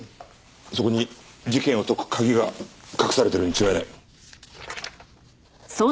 そこに事件を解く鍵が隠されているに違いない。